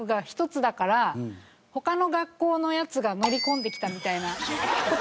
他の学校のヤツが乗り込んできたみたい事はないですもんね。